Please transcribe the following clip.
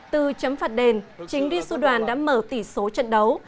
từ chấm phạt đền chính risu đoàn đã mở tỷ số trận đấu